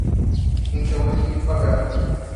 Então ele tem que pagar